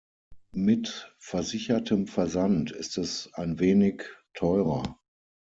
Mit versichertem Versand ist es ein wenig teurer.